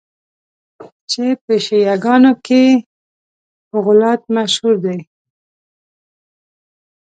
چي په شیعه ګانو کي په غُلات مشهور دي.